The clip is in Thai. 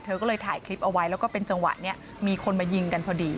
เธอก็เลยถ่ายคลิปเอาไว้แล้วก็เป็นจังหวะนี้มีคนมายิงกันพอดี